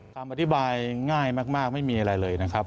คำอธิบายง่ายมากไม่มีอะไรเลยนะครับ